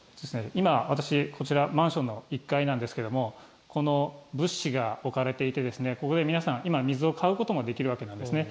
今、私、こちら、マンションの１階なんですけれども、この物資が置かれていて、ここで今、皆さん、水を買うこともできるわけなんですね。